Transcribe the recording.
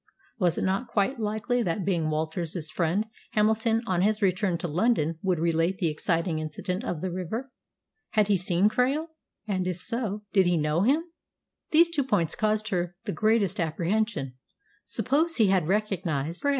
Was it not quite likely that, being Walter's friend, Hamilton on his return to London would relate the exciting incident of the river? Had he seen Krail? And, if so, did he know him? Those two points caused her the greatest apprehension. Suppose he had recognised Krail!